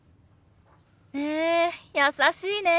へえ優しいね。